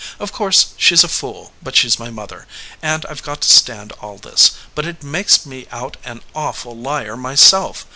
Of course she s a fool, but she s my mother, and I ve got to stand all this, but it makes me out an awful liar myself.